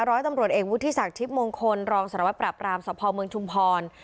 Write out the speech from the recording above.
ร้อยตำรวจเอกวุฒิศักดิ์ทิพย์มงคลรองสารวัตรปราบรามสภเมืองชุมพร